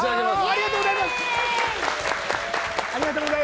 おめでとうございます。